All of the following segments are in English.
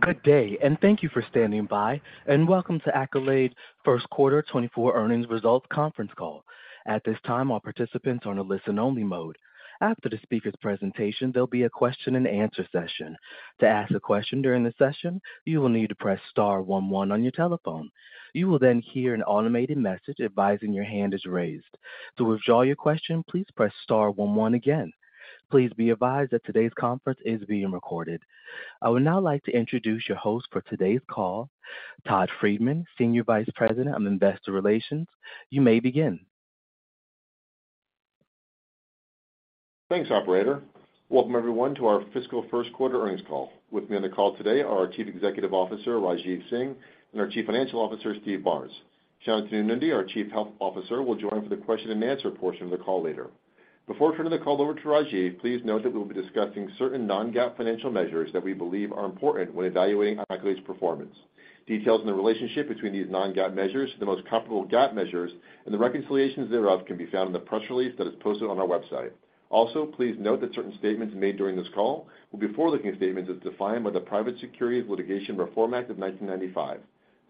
Good day, thank you for standing by, and welcome to Accolade First Quarter 2024 Earnings Results Conference Call. At this time, all participants are on a listen-only mode. After the speaker's presentation, there'll be a question and answer session. To ask a question during the session, you will need to press star one one on your telephone. You will then hear an automated message advising your hand is raised. To withdraw your question, please press star one one again. Please be advised that today's conference is being recorded. I would now like to introduce your host for today's call, Todd Friedman, Senior Vice President of Investor Relations. You may begin. Thanks, operator. Welcome everyone to our fiscal first quarter earnings call. With me on the call today are our Chief Executive Officer, Rajeev Singh, and our Chief Financial Officer, Steve Barnes. Shantanu Nundy, our Chief Health Officer, will join for the question and answer portion of the call later. Before turning the call over to Rajeev, please note that we will be discussing certain non-GAAP financial measures that we believe are important when evaluating Accolade's performance. Details in the relationship between these non-GAAP measures, the most comparable GAAP measures, and the reconciliations thereof can be found in the press release that is posted on our website. Please note that certain statements made during this call will be forward-looking statements as defined by the Private Securities Litigation Reform Act of 1995.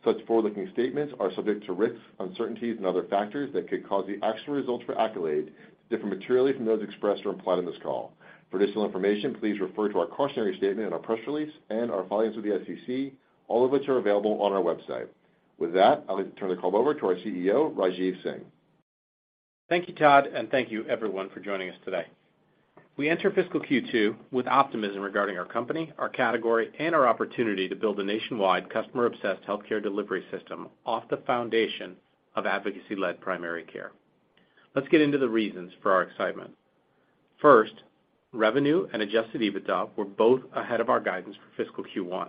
Such forward-looking statements are subject to risks, uncertainties and other factors that could cause the actual results for Accolade to differ materially from those expressed or implied on this call. For additional information, please refer to our cautionary statement in our press release and our filings with the SEC, all of which are available on our website. With that, I'd like to turn the call over to our CEO, Rajeev Singh. Thank you, Todd, thank you everyone for joining us today. We enter fiscal Q2 with optimism regarding our company, our category, and our opportunity to build a nationwide customer-obsessed healthcare delivery system off the foundation of advocacy-led primary care. Let's get into the reasons for our excitement. First, revenue and adjusted EBITDA were both ahead of our guidance for fiscal Q1.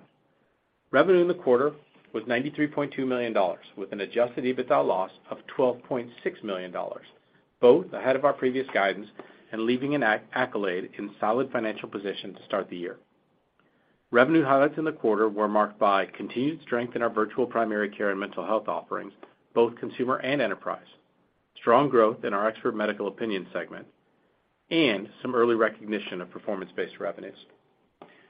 Revenue in the quarter was $93.2 million, with an adjusted EBITDA loss of $12.6 million, both ahead of our previous guidance and leaving an Accolade in solid financial position to start the year. Revenue highlights in the quarter were marked by continued strength in our virtual primary care and mental health offerings, both consumer and enterprise, strong growth in our expert medical opinion segment, and some early recognition of performance-based revenues.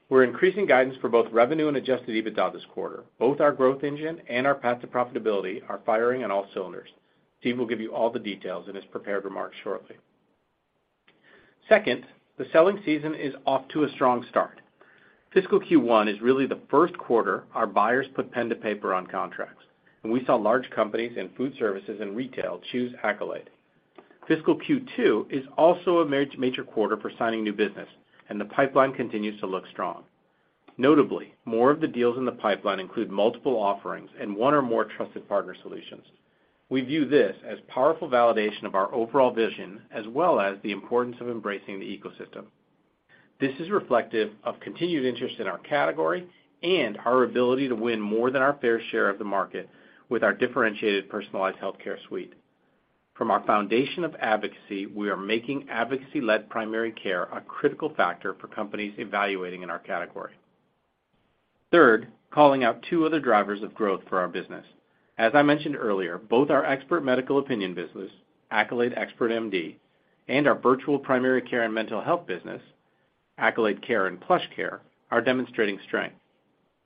We're increasing guidance for both revenue and adjusted EBITDA this quarter. Both our growth engine and our path to profitability are firing on all cylinders. Steve will give you all the details in his prepared remarks shortly. Second, the selling season is off to a strong start. Fiscal Q1 is really the first quarter our buyers put pen to paper on contracts, and we saw large companies in food services and retail choose Accolade. Fiscal Q2 is also a major quarter for signing new business, and the pipeline continues to look strong. Notably, more of the deals in the pipeline include multiple offerings and one or more trusted partner solutions. We view this as powerful validation of our overall vision, as well as the importance of embracing the ecosystem. This is reflective of continued interest in our category and our ability to win more than our fair share of the market with our differentiated personalized healthcare suite. From our foundation of advocacy, we are making advocacy-led primary care a critical factor for companies evaluating in our category. Third, calling out two other drivers of growth for our business. As I mentioned earlier, both our expert medical opinion business, Accolade Expert MD, and our virtual primary care and mental health business, Accolade Care and PlushCare, are demonstrating strength.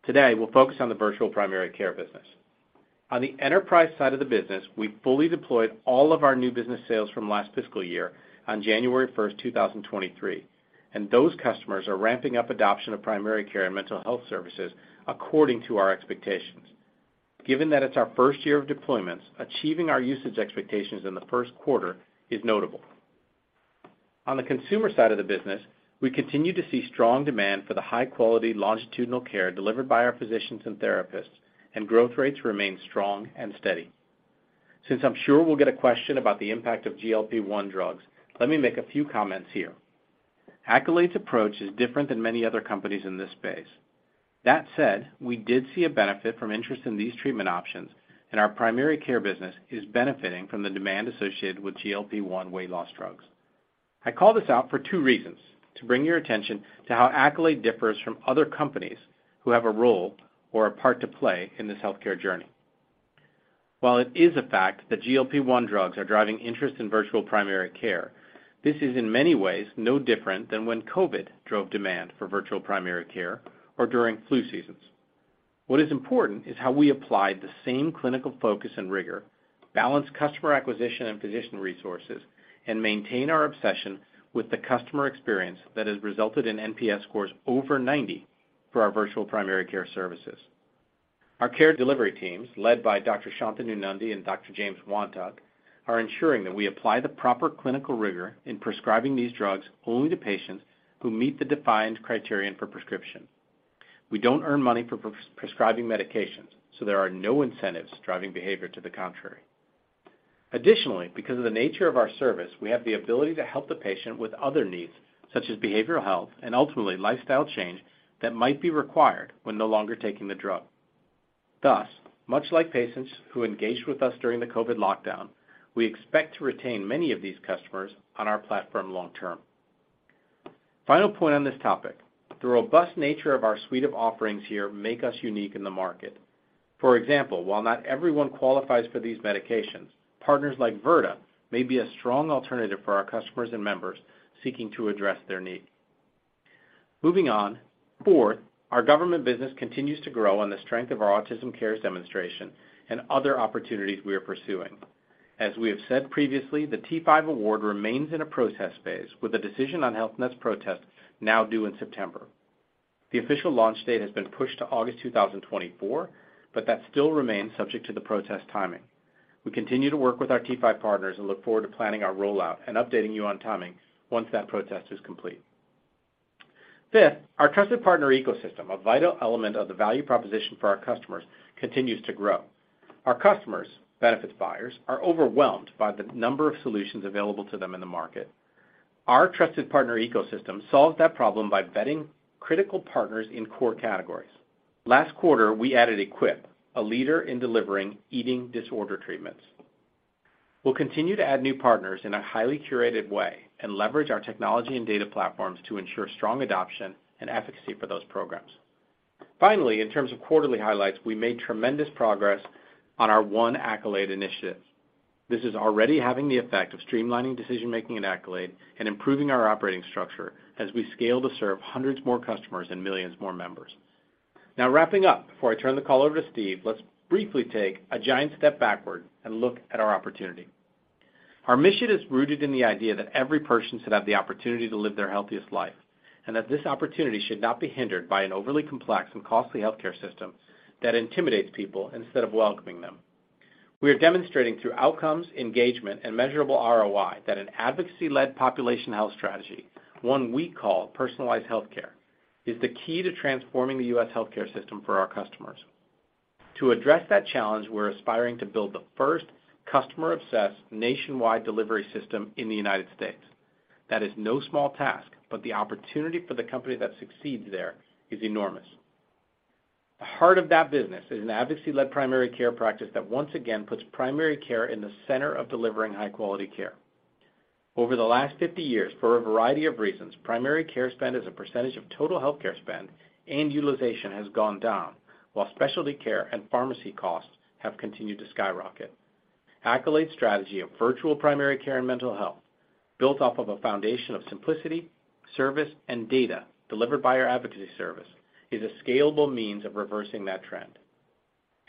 Today, we'll focus on the virtual primary care business. On the enterprise side of the business, we fully deployed all of our new business sales from last fiscal year on January 1st, 2023. Those customers are ramping up adoption of primary care and mental health services according to our expectations. Given that it's our first year of deployments, achieving our usage expectations in the first quarter is notable. On the consumer side of the business, we continue to see strong demand for the high-quality, longitudinal care delivered by our physicians and therapists, and growth rates remain strong and steady. Since I'm sure we'll get a question about the impact of GLP-1 drugs, let me make a few comments here. Accolade's approach is different than many other companies in this space. That said, we did see a benefit from interest in these treatment options, and our primary care business is benefiting from the demand associated with GLP-1 weight loss drugs. I call this out for two reasons: to bring your attention to how Accolade differs from other companies who have a role or a part to play in this healthcare journey. While it is a fact that GLP-1 drugs are driving interest in virtual primary care, this is in many ways no different than when COVID drove demand for virtual primary care or during flu seasons. What is important is how we apply the same clinical focus and rigor, balance customer acquisition and physician resources, and maintain our obsession with the customer experience that has resulted in NPS scores over 90 for our virtual primary care services. Our care delivery teams, led by Dr. Shantanu Nundy and Dr. James Wantuck, are ensuring that we apply the proper clinical rigor in prescribing these drugs only to patients who meet the defined criterion for prescription. We don't earn money for prescribing medications, so there are no incentives driving behavior to the contrary. Additionally, because of the nature of our service, we have the ability to help the patient with other needs, such as behavioral health and ultimately lifestyle change, that might be required when no longer taking the drug. Thus, much like patients who engaged with us during the COVID lockdown, we expect to retain many of these customers on our platform long term. Final point on this topic: the robust nature of our suite of offerings here make us unique in the market. For example, while not everyone qualifies for these medications, partners like Virta may be a strong alternative for our customers and members seeking to address their needs. Moving on. Fourth, our government business continues to grow on the strength of our Autism CARES demonstration and other opportunities we are pursuing. As we have said previously, the T5 award remains in a protest phase, with a decision on Health Net's protest now due in September. That still remains subject to the protest timing. We continue to work with our T5 partners and look forward to planning our rollout and updating you on timing once that protest is complete. Fifth, our trusted partner ecosystem, a vital element of the value proposition for our customers, continues to grow. Our customers, benefits buyers, are overwhelmed by the number of solutions available to them in the market. Our trusted partner ecosystem solves that problem by vetting critical partners in core categories. Last quarter, we added Equip, a leader in delivering eating disorder treatments. We'll continue to add new partners in a highly curated way and leverage our technology and data platforms to ensure strong adoption and efficacy for those programs. Finally, in terms of quarterly highlights, we made tremendous progress on our One Accolade initiative. This is already having the effect of streamlining decision-making at Accolade and improving our operating structure as we scale to serve hundreds more customers and millions more members. Wrapping up, before I turn the call over to Steve, let's briefly take a giant step backward and look at our opportunity. Our mission is rooted in the idea that every person should have the opportunity to live their healthiest life, and that this opportunity should not be hindered by an overly complex and costly healthcare system that intimidates people instead of welcoming them. We are demonstrating through outcomes, engagement, and measurable ROI that an advocacy-led population health strategy, one we call personalized healthcare, is the key to transforming the U.S. healthcare system for our customers. To address that challenge, we're aspiring to build the first customer-obsessed nationwide delivery system in the United States. That is no small task. The opportunity for the company that succeeds there is enormous. The heart of that business is an advocacy-led primary care practice that once again puts primary care in the center of delivering high-quality care. Over the last 50 years, for a variety of reasons, primary care spend as a percentage of total healthcare spend and utilization has gone down, while specialty care and pharmacy costs have continued to skyrocket. Accolade's strategy of virtual primary care and mental health, built off of a foundation of simplicity, service, and data delivered by our advocacy service, is a scalable means of reversing that trend.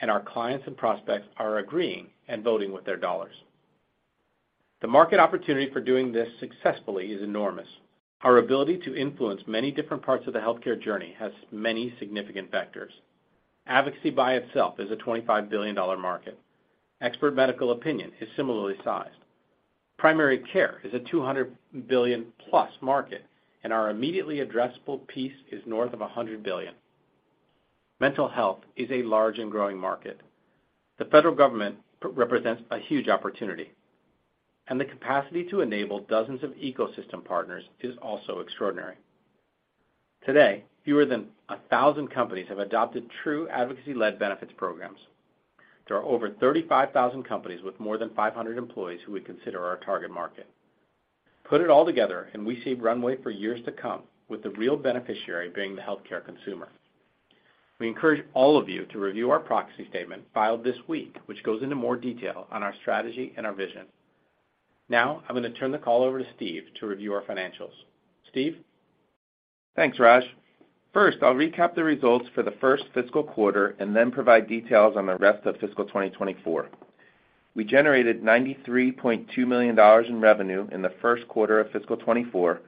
Our clients and prospects are agreeing and voting with their dollars. The market opportunity for doing this successfully is enormous. Our ability to influence many different parts of the healthcare journey has many significant factors. Advocacy by itself is a $25 billion market. Expert medical opinion is similarly sized. Primary care is a $200 billion-plus market. Our immediately addressable piece is north of $100 billion. Mental health is a large and growing market. The federal government represents a huge opportunity. The capacity to enable dozens of ecosystem partners is also extraordinary. Today, fewer than 1,000 companies have adopted true advocacy-led benefits programs. There are over 35,000 companies with more than 500 employees who we consider our target market. Put it all together, and we see runway for years to come, with the real beneficiary being the healthcare consumer. We encourage all of you to review our proxy statement filed this week, which goes into more detail on our strategy and our vision. Now, I'm going to turn the call over to Steve to review our financials. Steve? Thanks, Raj. I'll recap the results for the first fiscal quarter and then provide details on the rest of fiscal 2024. We generated $93.2 million in revenue in the first quarter of fiscal 2024,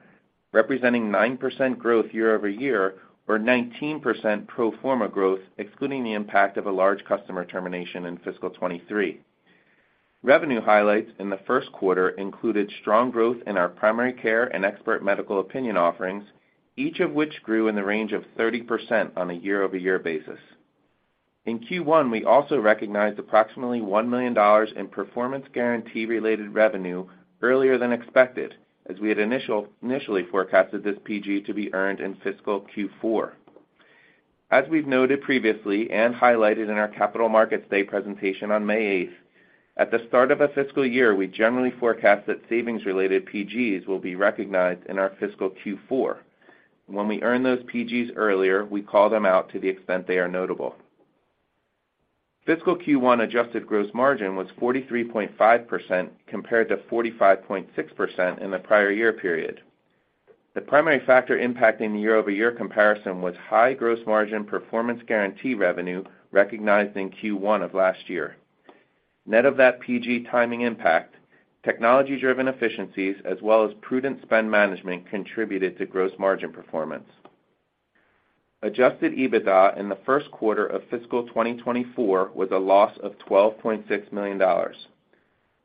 representing 9% growth year-over-year, or 19% pro forma growth, excluding the impact of a large customer termination in fiscal 2023. Revenue highlights in the first quarter included strong growth in our primary care and Expert Medical Opinion offerings, each of which grew in the range of 30% on a year-over-year basis. In Q1, we also recognized approximately $1 million in performance guarantee-related revenue earlier than expected, as we had initially forecasted this PG to be earned in fiscal Q4. As we've noted previously, highlighted in our Capital Markets Day presentation on May 8th, at the start of a fiscal year, we generally forecast that savings-related PGs will be recognized in our fiscal Q4. When we earn those PGs earlier, we call them out to the extent they are notable. Fiscal Q1 adjusted gross margin was 43.5%, compared to 45.6% in the prior year period. The primary factor impacting the year-over-year comparison was high gross margin performance guarantee revenue recognized in Q1 of last year. Net of that PG timing impact, technology-driven efficiencies, as well as prudent spend management, contributed to gross margin performance. Adjusted EBITDA in the 1st quarter of fiscal 2024 was a loss of $12.6 million.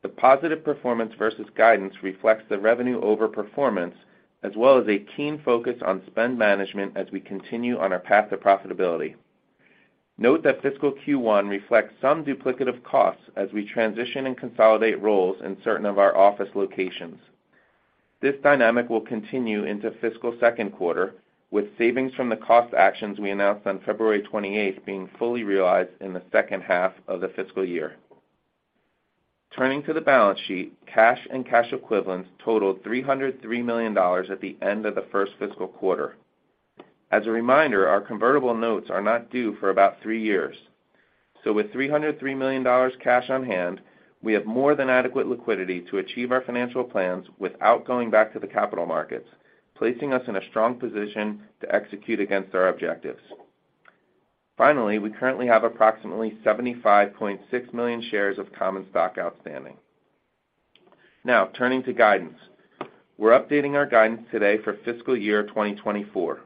The positive performance versus guidance reflects the revenue overperformance, as well as a keen focus on spend management as we continue on our path to profitability. Note that fiscal Q1 reflects some duplicative costs as we transition and consolidate roles in certain of our office locations. This dynamic will continue into fiscal second quarter, with savings from the cost actions we announced on February 28th being fully realized in the second half of the fiscal year. Turning to the balance sheet, cash and cash equivalents totaled $303 million at the end of the first fiscal quarter. As a reminder, our convertible notes are not due for about three years. With $303 million cash on hand, we have more than adequate liquidity to achieve our financial plans without going back to the capital markets, placing us in a strong position to execute against our objectives. Finally, we currently have approximately 75.6 million shares of common stock outstanding. Turning to guidance. We're updating our guidance today for fiscal year 2024.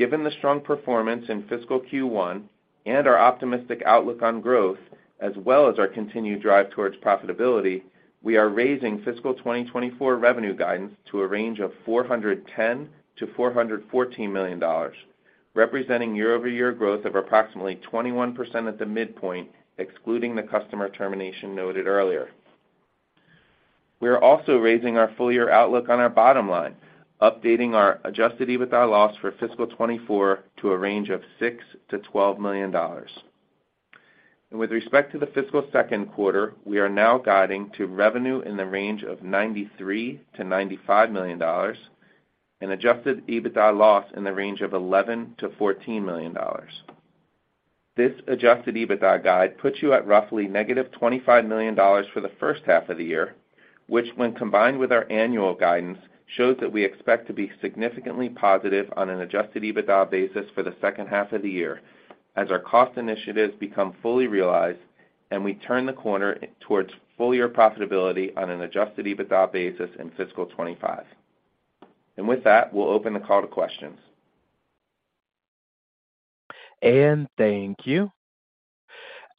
Given the strong performance in fiscal Q1 and our optimistic outlook on growth, as well as our continued drive towards profitability, we are raising fiscal 2024 revenue guidance to a range of $410 million-$414 million, representing year-over-year growth of approximately 21% at the midpoint, excluding the customer termination noted earlier. We are also raising our full-year outlook on our bottom line, updating our adjusted EBITDA loss for fiscal 2024 to a range of $6 million-$12 million. With respect to the fiscal second quarter, we are now guiding to revenue in the range of $93 million-$95 million and adjusted EBITDA loss in the range of $11 million-$14 million. This adjusted EBITDA guide puts you at roughly -$25 million for the first half of the year, which, when combined with our annual guidance, shows that we expect to be significantly positive on an adjusted EBITDA basis for the second half of the year as our cost initiatives become fully realized and we turn the corner towards full year profitability on an adjusted EBITDA basis in fiscal 2025. With that, we'll open the call to questions. Thank you.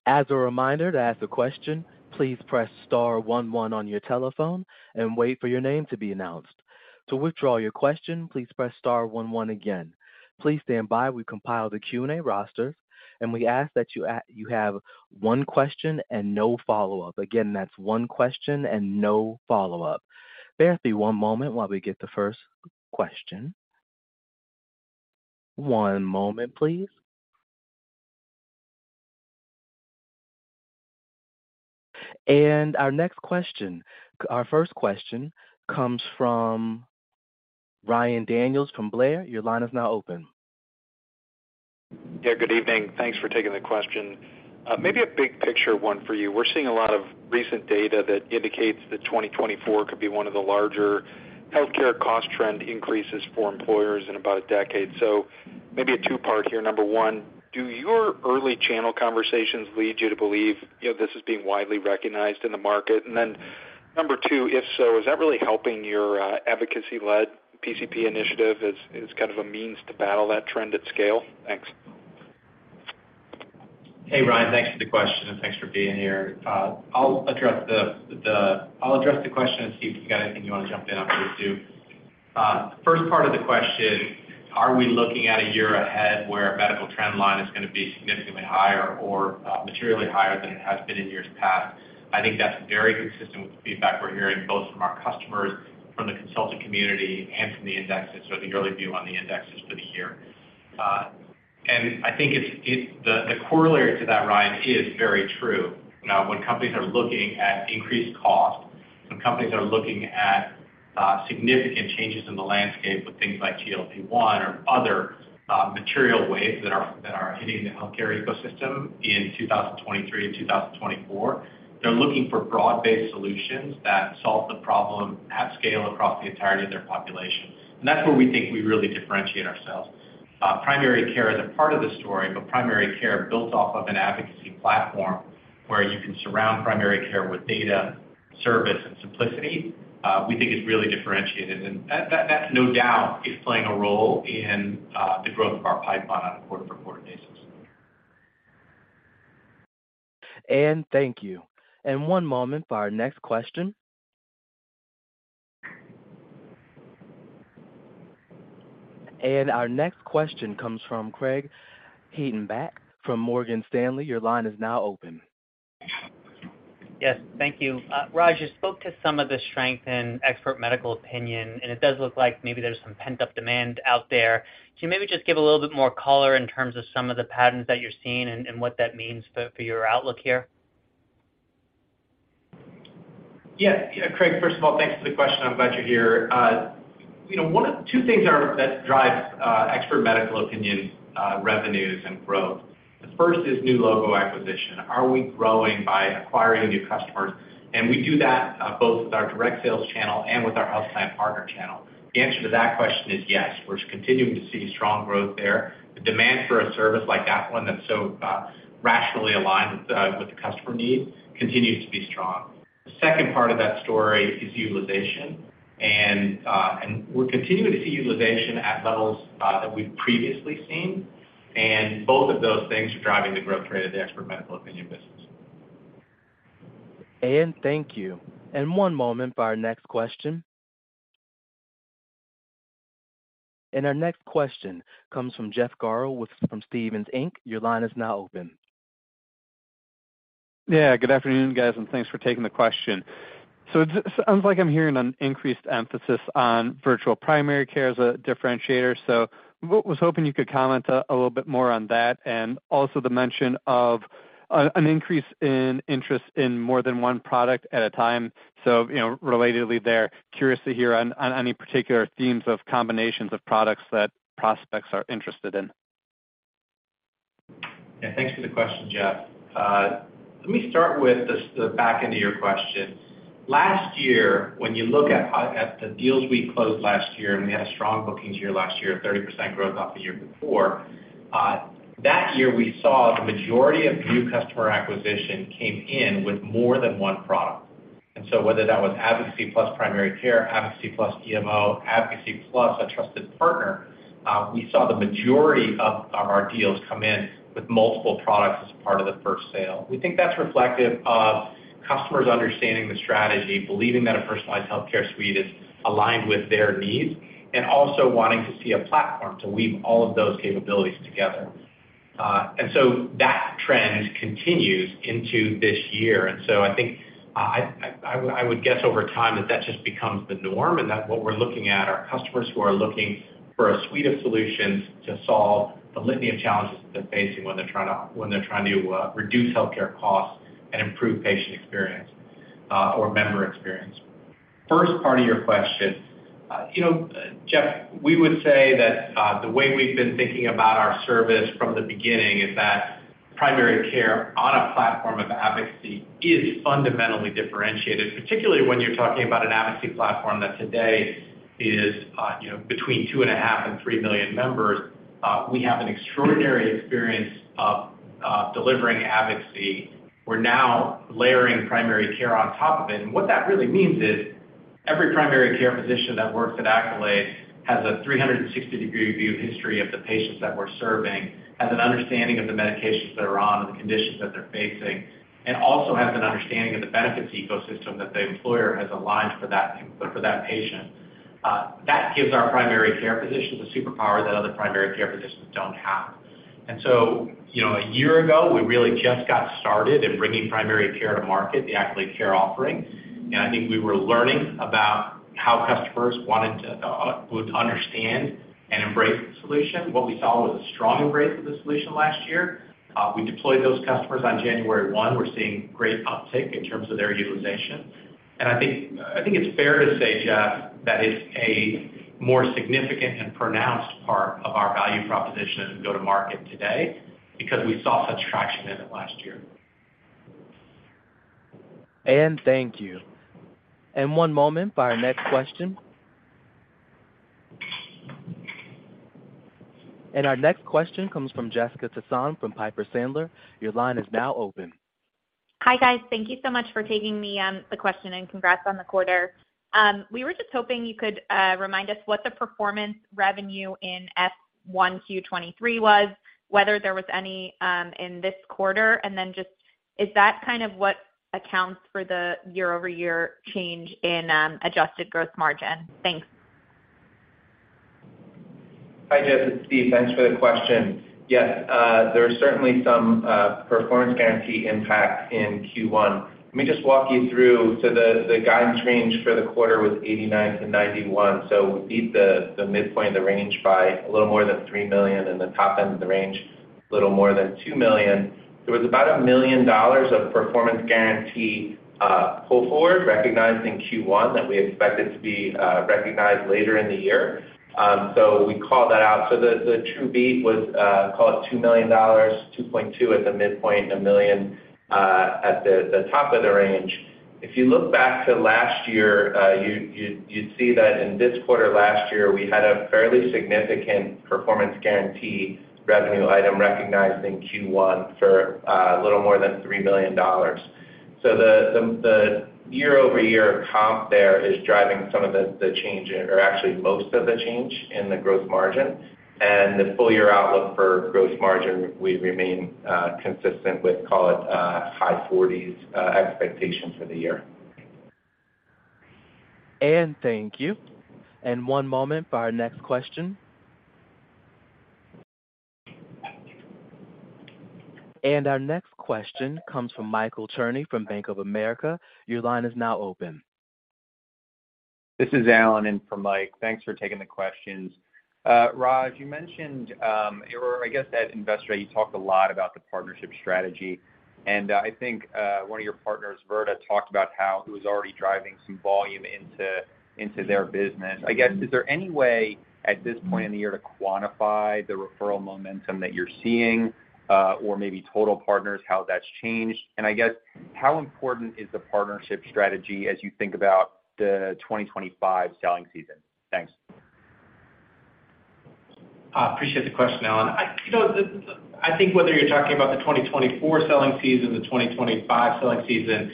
As a reminder, to ask a question, please press star one one on your telephone and wait for your name to be announced. To withdraw your question, please press star one one again. Please stand by. We compiled a Q&A roster, and we ask that you have one question and no follow-up. Again, that's one question and no follow-up. Bear with me one moment while we get the first question. One moment, please. Our first question comes from Ryan Daniels from William Blair. Your line is now open. Yeah, good evening. Thanks for taking the question. Maybe a big picture one for you. We're seeing a lot of recent data that indicates that 2024 could be one of the larger healthcare cost trend increases for employers in about a decade. Maybe a two-part here. Number one, do your early channel conversations lead you to believe, you know, this is being widely recognized in the market? Number two, if so, is that really helping your advocacy-led PCP initiative as kind of a means to battle that trend at scale? Thanks. Hey, Ryan, thanks for the question, and thanks for being here. I'll address the question and see if you got anything you want to jump in on this, too. The first part of the question, are we looking at a year ahead where our medical trend line is going to be significantly higher or materially higher than it has been in years past? I think that's very consistent with the feedback we're hearing, both from our customers, from the consulting community, and from the indexes, or the early view on the indexes for the year. I think the corollary to that, Ryan, is very true. When companies are looking at increased costs, when companies are looking at significant changes in the landscape with things like GLP-1 or other material waves that are hitting the healthcare ecosystem in 2023 and 2024, they're looking for broad-based solutions that solve the problem at scale across the entirety of their population. That's where we think we really differentiate ourselves. Primary care is a part of the story, but primary care builds off of an advocacy platform, where you can surround primary care with data, service, and simplicity, we think is really differentiated. That, no doubt, is playing a role in the growth of our pipeline on a quarter-over-quarter basis. Thank you. One moment for our next question. Our next question comes from Craig Hettenbach from Morgan Stanley. Your line is now open. Yes, thank you. Raj, you spoke to some of the strength in expert medical opinion, and it does look like maybe there's some pent-up demand out there. Can you maybe just give a little bit more color in terms of some of the patterns that you're seeing and what that means for your outlook here? Yeah, Craig, first of all, thanks for the question. I'm glad you're here. you know, two things are that drives expert medical opinions, revenues, and growth. The first is new logo acquisition. Are we growing by acquiring new customers? We do that, both with our direct sales channel and with our health plan partner channel. The answer to that question is yes. We're continuing to see strong growth there. The demand for a service like that one, that's so rationally aligned with the customer need, continues to be strong. The second part of that story is utilization, and we're continuing to see utilization at levels that we've previously seen. Both of those things are driving the growth rate of the expert medical opinion business. Thank you. One moment for our next question. Our next question comes from Jeff Garro from Stephens Inc. Your line is now open. Yeah, good afternoon, guys, and thanks for taking the question. It sounds like I'm hearing an increased emphasis on virtual primary care as a differentiator. Was hoping you could comment a little bit more on that, and also the mention of an increase in interest in more than one product at a time. You know, relatedly there, curious to hear on any particular themes of combinations of products that prospects are interested in? Yeah, thanks for the question, Jeff. Let me start with the back end of your question. Last year, when you look at at the deals we closed last year, and we had a strong bookings year last year, 30% growth off the year before, that year, we saw the majority of new customer acquisition came in with more than one product. Whether that was advocacy plus primary care, advocacy plus EMO, advocacy plus a trusted partner, we saw the majority of our deals come in with multiple products as part of the first sale. We think that's reflective of customers understanding the strategy, believing that a personalized healthcare suite is aligned with their needs, and also wanting to see a platform to weave all of those capabilities together. That trend continues into this year. I think I would guess over time, that just becomes the norm, and that what we're looking at are customers who are looking for a suite of solutions to solve the litany of challenges they're facing when they're trying to reduce healthcare costs and improve patient experience or member experience. First part of your question, you know, Jeff, we would say that the way we've been thinking about our service from the beginning is that primary care on a platform of advocacy is fundamentally differentiated, particularly when you're talking about an advocacy platform that today is, you know, between 2.5 million and 3 million members. We have an extraordinary experience of delivering advocacy. We're now layering primary care on top of it. What that really means is every primary care physician that works at Accolade has a 360-degree view history of the patients that we're serving, has an understanding of the medications they're on and the conditions that they're facing, and also has an understanding of the benefits ecosystem that the employer has aligned for that for that patient. That gives our primary care physicians a superpower that other primary care physicians don't have. You know, a year ago, we really just got started in bringing primary care to market, the Accolade Care offering. I think we were learning about how customers wanted to would understand and embrace the solution. What we saw was a strong embrace of the solution last year. We deployed those customers on January 1. We're seeing great uptick in terms of their utilization. I think it's fair to say, Jeff, that it's a more significant and pronounced part of our value proposition as we go to market today because we saw such traction in it last year. Thank you. One moment for our next question. Our next question comes from Jessica Tassan from Piper Sandler. Your line is now open. Hi, guys. Thank you so much for taking me, the question. Congrats on the quarter. We were just hoping you could remind us what the performance revenue in F1 Q23 was, whether there was any in this quarter, and then just, is that kind of what accounts for the year-over-year change in adjusted gross margin? Thanks. Hi, Jess, it's Steve. Thanks for the question. Yes, there are certainly some performance guarantee impact in Q1. Let me just walk you through. The guidance range for the quarter was $89 million-$91 million, we beat the midpoint of the range by a little more than $3 million, and the top end of the range, a little more than $2 million. There was about $1 million of performance guarantee pull forward, recognized in Q1 that we expected to be recognized later in the year. We called that out. The true beat was, call it $2 million, $2.2 million at the midpoint, $1 million at the top of the range. If you look back to last year, you'd see that in this quarter last year, we had a fairly significant performance guarantee revenue item recognized in Q1 for a little more than $3 million. The year-over-year comp there is driving some of the change in, or actually most of the change in the growth margin. The full year outlook for growth margin, we remain consistent with, call it, high f40s expectation for the year. Thank you. One moment for our next question. Our next question comes from Michael Cherny from Bank of America. Your line is now open. This is Alan in for Mike. Thanks for taking the questions. Raj, you mentioned, or I guess at Investor Day, you talked a lot about the partnership strategy, and I think one of your partners, Virta, talked about how it was already driving some volume into their business. I guess, is there any way, at this point in the year, to quantify the referral momentum that you're seeing, or maybe total partners, how that's changed? I guess, how important is the partnership strategy as you think about the 2025 selling season? Thanks. Appreciate the question, Alan. I, you know, I think whether you're talking about the 2024 selling season, the 2025 selling season,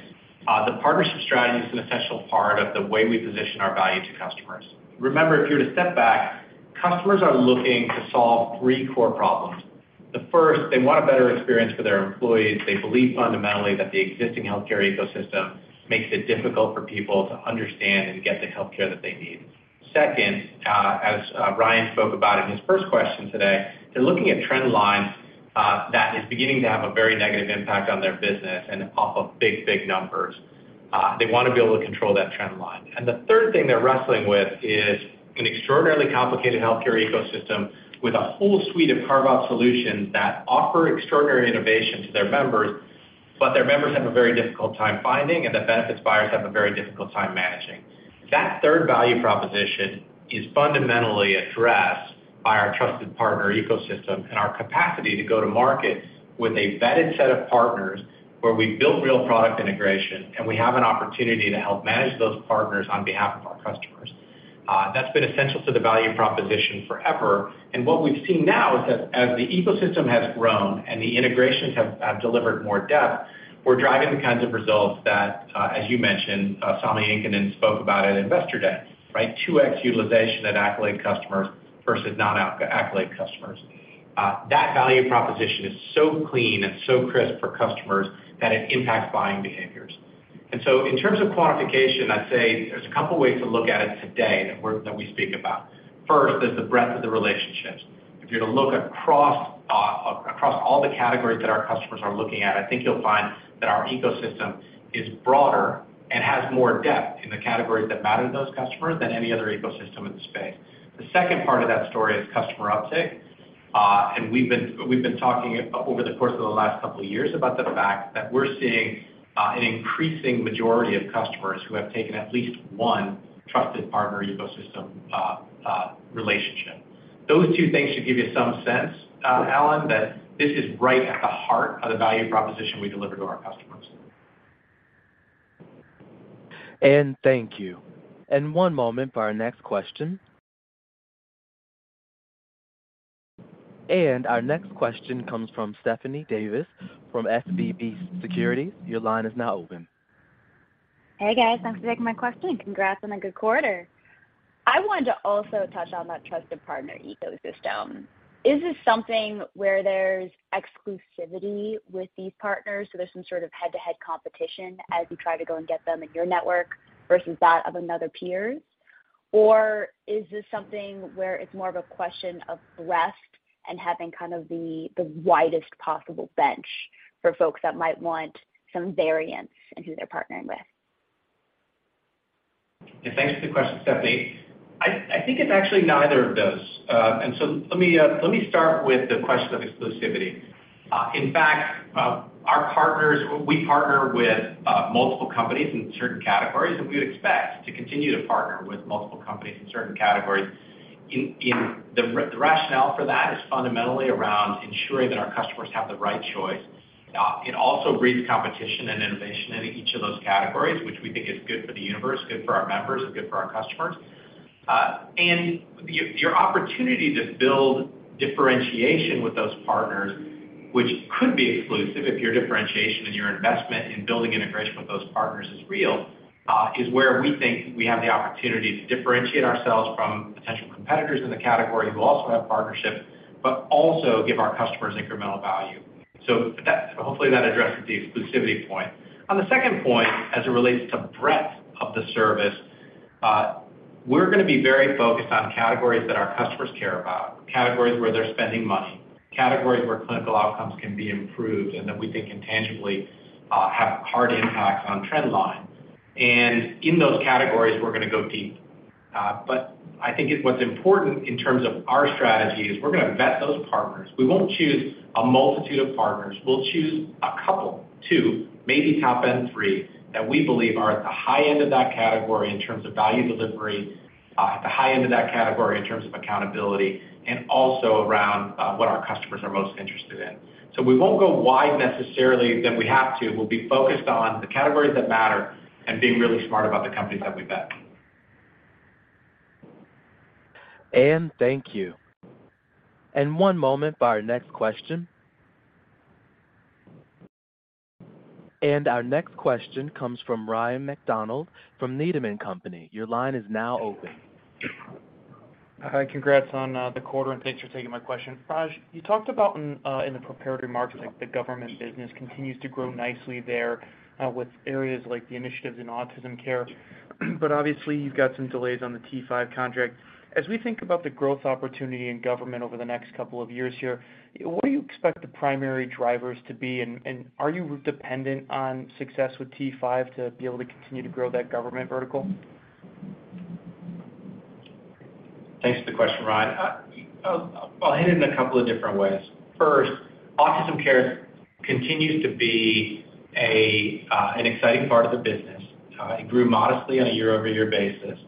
the partnership strategy is an essential part of the way we position our value to customers. Remember, if you were to step back, customers are looking to solve three core problems. The first, they want a better experience for their employees. They believe fundamentally that the existing healthcare ecosystem makes it difficult for people to understand and get the healthcare that they need. Second, as Ryan spoke about in his first question today, they're looking at trend lines that is beginning to have a very negative impact on their business and off of big, big numbers. They want to be able to control that trend line. The third thing they're wrestling with is an extraordinarily complicated healthcare ecosystem with a whole suite of carve-out solutions that offer extraordinary innovation to their members, but their members have a very difficult time finding, and the benefits buyers have a very difficult time managing. That third value proposition is fundamentally addressed by our trusted partner ecosystem and our capacity to go to market with a vetted set of partners where we've built real product integration, and we have an opportunity to help manage those partners on behalf of our customers. That's been essential to the value proposition forever. What we've seen now is that as the ecosystem has grown and the integrations have delivered more depth, we're driving the kinds of results that, as you mentioned, Sami Inkinen spoke about at Investor Day, right? 2x utilization of Accolade customers versus non-Accolade customers. That value proposition is so clean and so crisp for customers that it impacts buying behaviors. In terms of quantification, I'd say there's a couple of ways to look at it today that we speak about. First is the breadth of the relationships. If you're to look across all the categories that our customers are looking at, I think you'll find that our ecosystem is broader and has more depth in the categories that matter to those customers than any other ecosystem in the space. The second part of that story is customer uptick. We've been talking over the course of the last couple of years about the fact that we're seeing an increasing majority of customers who have taken at least one trusted partner ecosystem relationship. Those two things should give you some sense, Alan, that this is right at the heart of the value proposition we deliver to our customers. Thank you. One moment for our next question. Our next question comes from Stephanie Davis from SVB Securities. Your line is now open. Hey, guys. Thanks for taking my question. Congrats on a good quarter. I wanted to also touch on that trusted partner ecosystem. Is this something where there's exclusivity with these partners, so there's some sort of head-to-head competition as you try to go and get them in your network versus that of another peer? Is this something where it's more of a question of breadth and having kind of the widest possible bench for folks that might want some variance in who they're partnering with? Yeah, thanks for the question, Stephanie. I think it's actually neither of those. Let me start with the question of exclusivity. In fact, our partners, we partner with multiple companies in certain categories, and we would expect to continue to partner with multiple companies in certain categories. The rationale for that is fundamentally around ensuring that our customers have the right choice. It also breeds competition and innovation in each of those categories, which we think is good for the universe, good for our members, and good for our customers. The, your opportunity to build differentiation with those partners, which could be exclusive if your differentiation and your investment in building integration with those partners is real, is where we think we have the opportunity to differentiate ourselves from potential competitors in the category who also have partnerships, but also give our customers incremental value. Hopefully, that addresses the exclusivity point. On the second point, as it relates to breadth of the service, we're gonna be very focused on categories that our customers care about, categories where they're spending money, categories where clinical outcomes can be improved, and that we think can tangibly, have hard impacts on trend line. In those categories, we're gonna go deep. I think what's important in terms of our strategy is we're gonna vet those partners. We won't choose a multitude of partners. We'll choose a couple, two, maybe top end, three, that we believe are at the high end of that category in terms of value delivery, at the high end of that category in terms of accountability, and also around what our customers are most interested in. We won't go wide necessarily than we have to. We'll be focused on the categories that matter and being really smart about the companies that we vet. Thank you. One moment for our next question. Our next question comes from Ryan MacDonald from Needham & Company. Your line is now open. Hi, congrats on the quarter, and thanks for taking my question. Raj, you talked about in the prepared remarks, like the government business continues to grow nicely there, with areas like the initiatives in autism care. Obviously, you've got some delays on the T5 contract. As we think about the growth opportunity in government over the next couple of years here, what do you expect the primary drivers to be? Are you dependent on success with T5 to be able to continue to grow that government vertical? Thanks for the question, Ryan. I'll hit it in a couple of different ways. First, Autism CARES continues to be an exciting part of the business. It grew modestly on a year-over-year basis.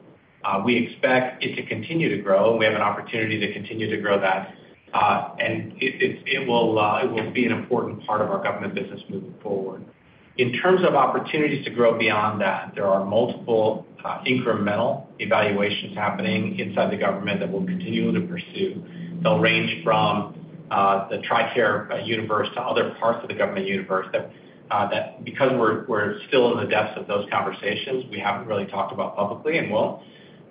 We expect it to continue to grow, and we have an opportunity to continue to grow that. It will be an important part of our government business moving forward. In terms of opportunities to grow beyond that, there are multiple incremental evaluations happening inside the government that we'll continue to pursue. They'll range from the TRICARE universe to other parts of the government universe that because we're still in the depths of those conversations, we haven't really talked about publicly and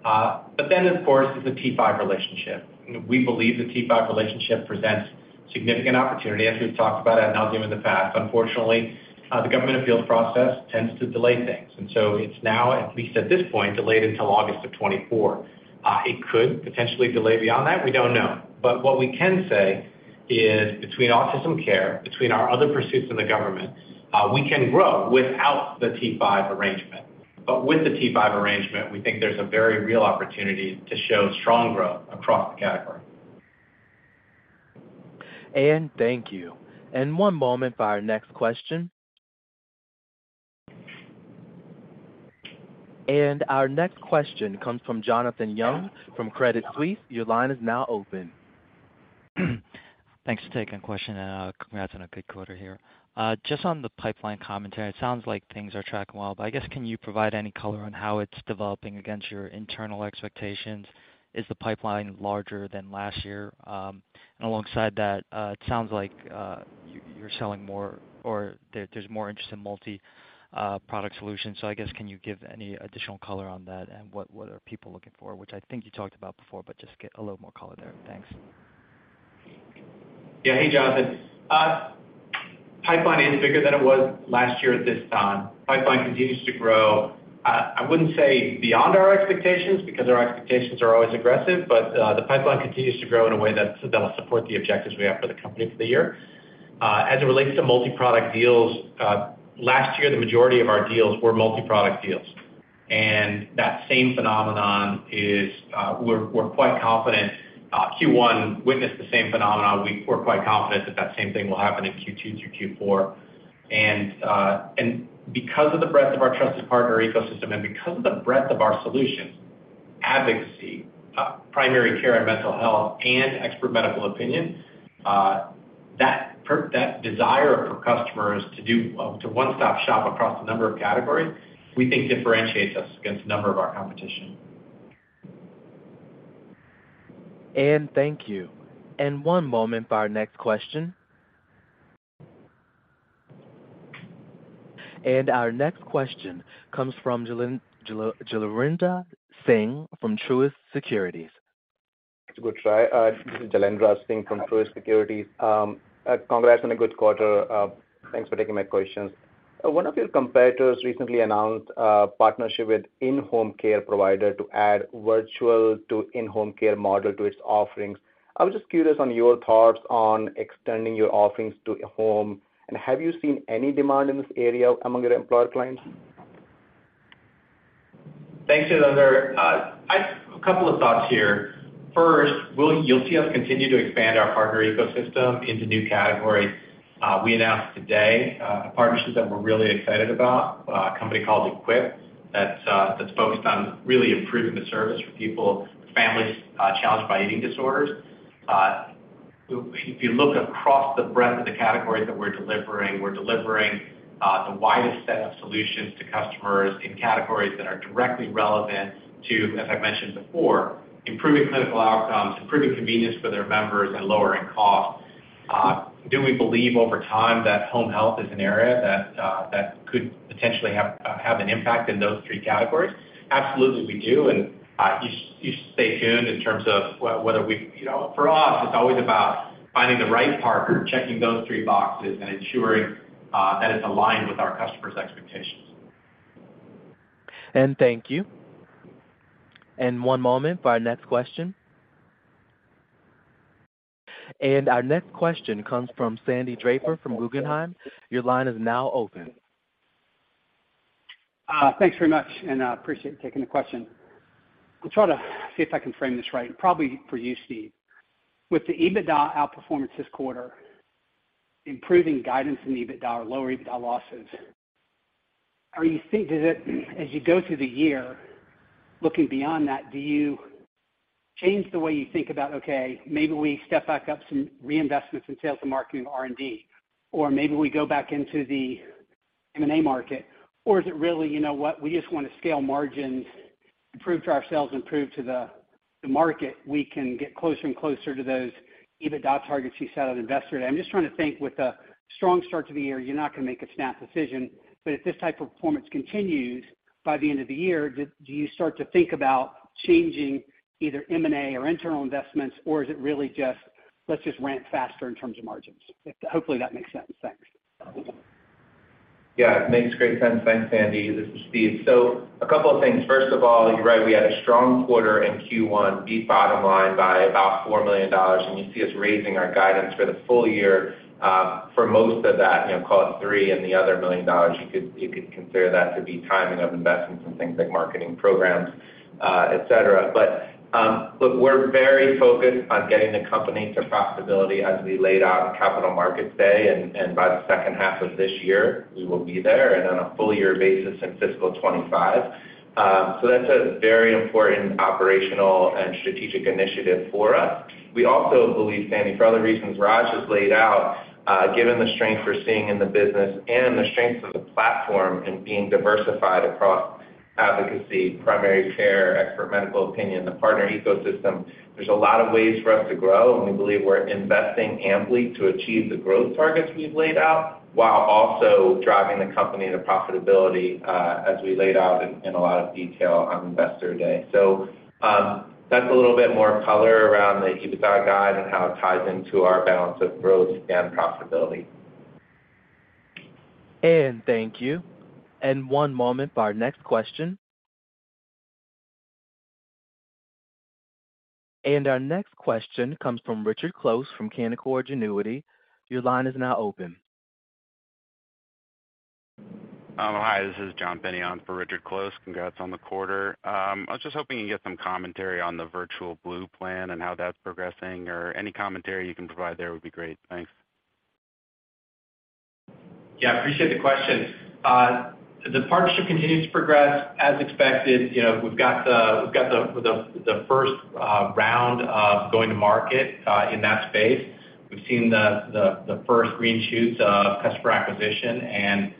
well. Of course, is the T5 relationship. We believe the T5 relationship presents significant opportunity, as we've talked about ad nauseam in the past. Unfortunately, the government appeals process tends to delay things, and so it's now, at least at this point, delayed until August of 2024. It could potentially delay beyond that, we don't know. What we can say is between autism care, between our other pursuits in the government, we can grow without the T5 arrangement. With the T5 arrangement, we think there's a very real opportunity to show strong growth across the category. Thank you. One moment for our next question. Our next question comes from Jonathan Young from Credit Suisse. Your line is now open. Thanks for taking the question, and congrats on a good quarter here. Just on the pipeline commentary, it sounds like things are tracking well, but I guess, can you provide any color on how it's developing against your internal expectations? Is the pipeline larger than last year? Alongside that, it sounds like, you're selling more or there's more interest in multi-product solutions. I guess, can you give any additional color on that? What, what are people looking for, which I think you talked about before, but just get a little more color there. Thanks. Yeah. Hey, Jonathan. Pipeline is bigger than it was last year at this time. Pipeline continues to grow. I wouldn't say beyond our expectations, because our expectations are always aggressive, but the pipeline continues to grow in a way that's gonna support the objectives we have for the company for the year. As it relates to multiproduct deals, last year, the majority of our deals were multiproduct deals, and that same phenomenon is, we're quite confident. Q1 witnessed the same phenomenon. We're quite confident that same thing will happen in Q2 through Q4. Because of the breadth of our trusted partner ecosystem and because of the breadth of our solutions, advocacy, primary care and mental health, and expert medical opinion, that desire for customers to do, to one-stop shop across a number of categories, we think differentiates us against a number of our competition. Thank you. One moment for our next question. Our next question comes from Jailendra Singh from Truist Securities. Good try. This is Jailendra Singh from Truist Securities. Congrats on a good quarter. Thanks for taking my questions. One of your competitors recently announced a partnership with in-home care provider to add virtual to in-home care model to its offerings. I was just curious on your thoughts on extending your offerings to home. Have you seen any demand in this area among your employer clients? Thanks, Jailendra. A couple of thoughts here. First, you'll see us continue to expand our partner ecosystem into new categories. We announced today a partnership that we're really excited about, a company called Equip, that's focused on really improving the service for people, families, challenged by eating disorders. If you look across the breadth of the categories that we're delivering, we're delivering the widest set of solutions to customers in categories that are directly relevant to, as I've mentioned before, improving clinical outcomes, improving convenience for their members, and lowering costs. Do we believe over time that home health is an area that could potentially have an impact in those three categories? Absolutely, we do, and you should stay tuned in terms of whether we... You know, for us, it's always about finding the right partner, checking those three boxes, and ensuring that it's aligned with our customers' expectations. Thank you. One moment for our next question. Our next question comes from Sandy Draper from Guggenheim. Your line is now open. Thanks very much, and I appreciate you taking the question. I'll try to see if I can frame this right, probably for you, Steve. With the EBITDA outperformance this quarter, improving guidance in the EBITDA or lower EBITDA losses, how you think, as you go through the year, looking beyond that, do you change the way you think about, okay, maybe we step back up some reinvestments in sales and marketing R&D, or maybe we go back into the M&A market? Or is it really, you know what, we just want to scale margins, improve to ourselves, improve to the market, we can get closer and closer to those EBITDA targets you set on Investor Day? I'm just trying to think with a strong start to the year, you're not going to make a snap decision, If this type of performance continues by the end of the year, do you start to think about changing either M&A or internal investments, or is it really just, Let's just ramp faster in terms of margins? Hopefully, that makes sense. Thanks. Yeah, it makes great sense. Thanks, Sandy. This is Steve. A couple of things. First of all, you're right, we had a strong quarter in Q1, beat bottom line by about $4 million. You see us raising our guidance for the full year for most of that, you know, call it $3 million, and the other $1 million, you could consider that to be timing of investments in things like marketing programs, et cetera. Look, we're very focused on getting the company to profitability as we laid out on Capital Markets Day, and by the second half of this year, we will be there, and on a full year basis in fiscal 2025. That's a very important operational and strategic initiative for us. We also believe, Sandy, for other reasons Raj has laid out, given the strength we're seeing in the business and the strength of the platform in being diversified across advocacy, primary care, expert medical opinion, the partner ecosystem, there's a lot of ways for us to grow, and we believe we're investing amply to achieve the growth targets we've laid out, while also driving the company to profitability, as we laid out in a lot of detail on Investor Day. That's a little bit more color around the EBITDA guide and how it ties into our balance of growth and profitability. Thank you. One moment for our next question. Our next question comes from Richard Close from Canaccord Genuity. Your line is now open. Hi, this is John Penny on for Richard Close. Congrats on the quarter. I was just hoping you can get some commentary on the Virtual Blue plan and how that's progressing, or any commentary you can provide there would be great. Thanks. Yeah, I appreciate the question. The partnership continues to progress as expected. You know, we've got the first round of going to market in that space. We've seen the first green shoots of customer acquisition and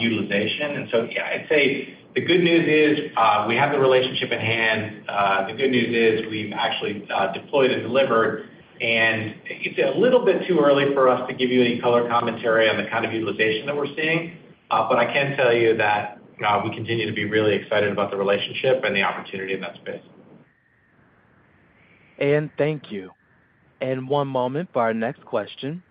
utilization. Yeah, I'd say the good news is we have the relationship at hand. The good news is we've actually deployed and delivered. It's a little bit too early for us to give you any color commentary on the kind of utilization that we're seeing. I can tell you that we continue to be really excited about the relationship and the opportunity in that space. Thank you. One moment for our next question.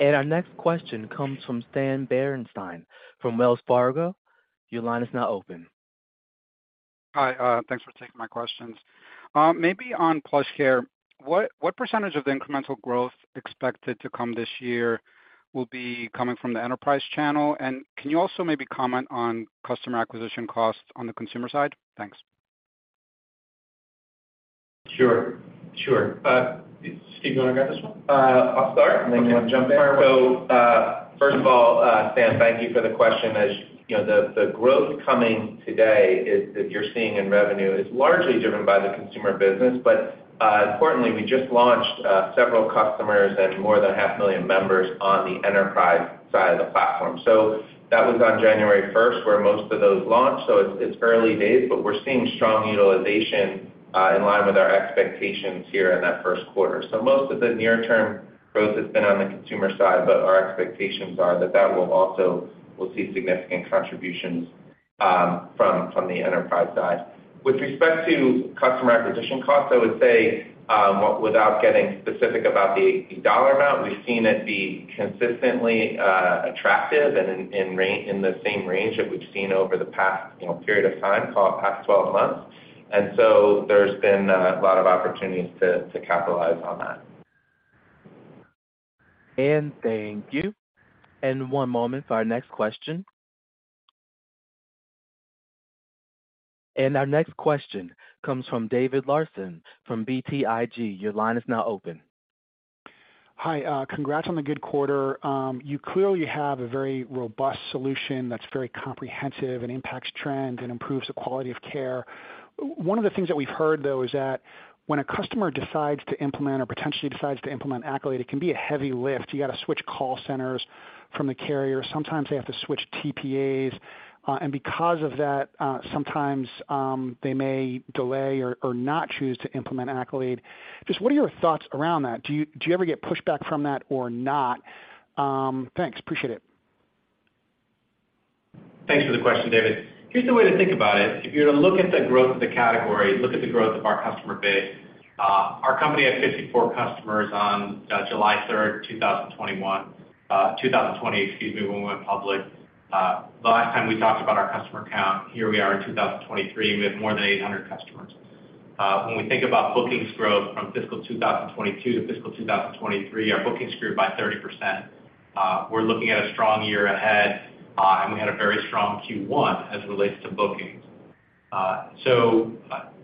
Our next question comes from Stan Berenshteyn from Wells Fargo. Your line is now open. Hi, thanks for taking my questions. Maybe on PlushCare, what percentage of the incremental growth expected to come this year will be coming from the enterprise channel? Can you also maybe comment on customer acquisition costs on the consumer side? Thanks. Sure. Steve, do you wanna grab this one? I'll start, then you want to jump in. First of all, Stan, thank you for the question. As you know, the growth coming today is, that you're seeing in revenue is largely driven by the consumer business. Importantly, we just launched several customers and more than half a million members on the enterprise side of the platform. That was on January 1st, where most of those launched. It's early days, but we're seeing strong utilization in line with our expectations here in that 1st quarter. Most of the near term growth has been on the consumer side, but our expectations are that that will also, we'll see significant contributions from the enterprise side. With respect to customer acquisition costs, I would say, without getting specific about the dollar amount, we've seen it be consistently attractive and in range, in the same range that we've seen over the past, you know, period of time, past 12 months. There's been a lot of opportunities to capitalize on that. Thank you. One moment for our next question. Our next question comes from David Larsen from BTIG. Your line is now open. Hi, congrats on the good quarter. You clearly have a very robust solution that's very comprehensive and impacts trend and improves the quality of care. One of the things that we've heard, though, is that when a customer decides to implement or potentially decides to implement Accolade, it can be a heavy lift. You got to switch call centers from the carrier. Sometimes they have to switch TPAs, and because of that, sometimes they may delay or not choose to implement Accolade. Just what are your thoughts around that? Do you ever get pushback from that or not? Thanks. Appreciate it. Thanks for the question, David. Here's the way to think about it. If you're to look at the growth of the category, look at the growth of our customer base. Our company had 54 customers on, July 3rd, 2020, excuse me, when we went public, the last time we talked about our customer count. Here we are in 2023, we have more than 800 customers. When we think about bookings growth from fiscal 2022 to fiscal 2023, our bookings grew by 30%. We're looking at a strong year ahead, and we had a very strong Q1 as it relates to bookings.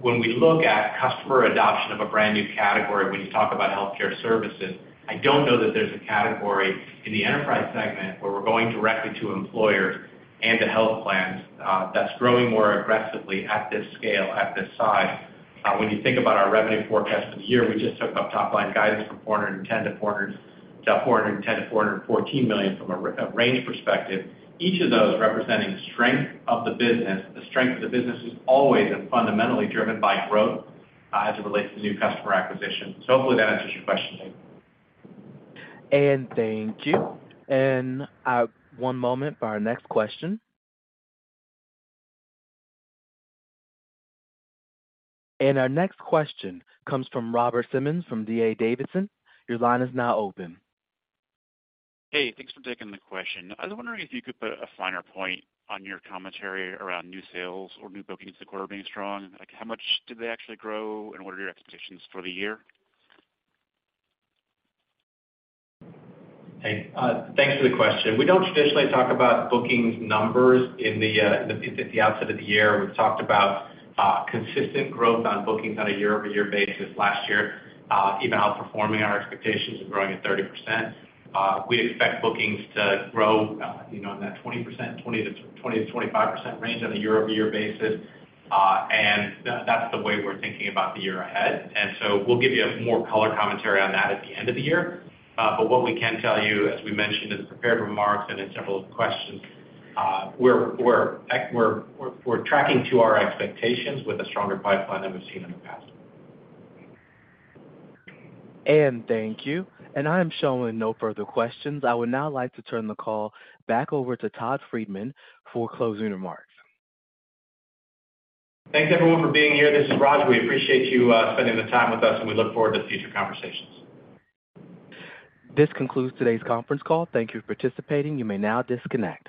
When we look at customer adoption of a brand new category, when you talk about healthcare services, I don't know that there's a category in the enterprise segment where we're going directly to employers and to health plans, that's growing more aggressively at this scale, at this size. When you think about our revenue forecast for the year, we just took up top line guidance from $410 million-$414 million from a range perspective, each of those representing the strength of the business. The strength of the business is always and fundamentally driven by growth, as it relates to new customer acquisition. Hopefully that answers your question, David. Thank you. One moment for our next question. Our next question comes from Robert Simmons, from D.A. Davidson. Your line is now open. Hey, thanks for taking the question. I was wondering if you could put a finer point on your commentary around new sales or new bookings that were being strong. Like, how much did they actually grow, and what are your expectations for the year? Hey, thanks for the question. We don't traditionally talk about bookings numbers at the outset of the year. We've talked about consistent growth on bookings on a year-over-year basis last year, even outperforming our expectations and growing at 30%. We expect bookings to grow, you know, in that 20%-25% range on a year-over-year basis. That's the way we're thinking about the year ahead. We'll give you a more color commentary on that at the end of the year. What we can tell you, as we mentioned in the prepared remarks and in several questions, we're tracking to our expectations with a stronger pipeline than we've seen in the past. Thank you. I'm showing no further questions. I would now like to turn the call back over to Todd Friedman for closing remarks. Thanks, everyone, for being here. This is Raj. We appreciate you spending the time with us, and we look forward to future conversations. This concludes today's conference call. Thank you for participating. You may now disconnect.